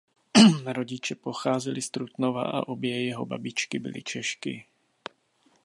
Rodiče pocházeli z Trutnova a obě jeho babičky byly Češky.